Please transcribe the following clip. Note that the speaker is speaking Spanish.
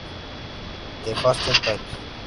The Faster Times.